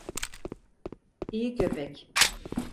İyi köpek.